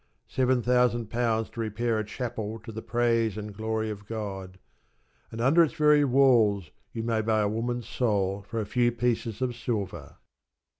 Seven thousand pounds to repair a chapel to the praise and glory of God, and under its very walls you may buy a woman's soul for a few pieces of silver.